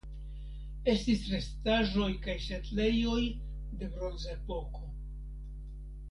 Estis restaĵoj kaj setlejoj de Bronzepoko.